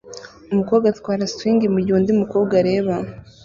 Umukobwa atwara swing mugihe undi mukobwa areba